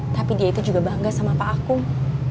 tapi dia itu juga bangga sama pak akung